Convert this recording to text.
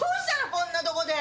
こんなとこで。